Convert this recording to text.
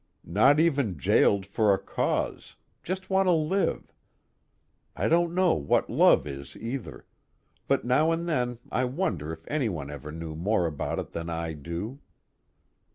Not even jailed for a Cause, just want to live. I don't know what love is either, but now and then I wonder if anyone ever knew more about it than I do.